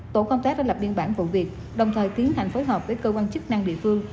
tổ công tác đã lập biên bản vụ việc đồng thời tiến hành phối hợp với cơ quan chức năng địa phương